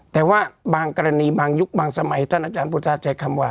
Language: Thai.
ในว่าบางกรณีบางยุคบางสมัยท่านตัดพุทธตัดใช้คำว่า